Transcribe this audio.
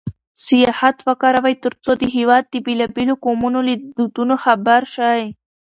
سیاحت وکاروئ ترڅو د هېواد د بېلابېلو قومونو له دودونو خبر شئ.